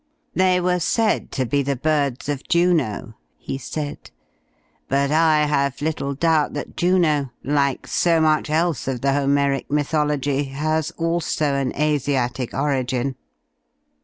"They were said to be the birds of Juno," he said, "but I have little doubt that Juno, like so much else of the Homeric mythology, has also an Asiatic origin."